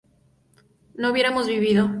no hubiéramos vivido